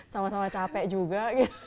sama sama capek juga